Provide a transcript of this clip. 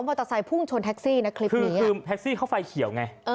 ไม่มองเลย